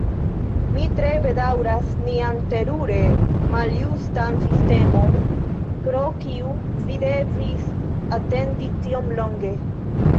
Mi tre bedaŭras nian terure maljustan sistemon, pro kiu vi devis atendi tiom longe!